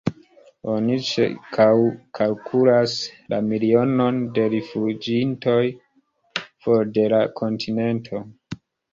Oni ĉirkaŭkalkulas la milionon de rifuĝintoj for de la kontinento.